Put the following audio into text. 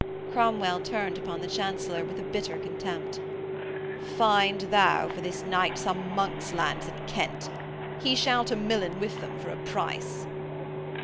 Cromwell turned upon the Chancellor with a bitter contempt. 'Find thou for this knight some monk's lands in Kent. He shall to Milan with them for a price.'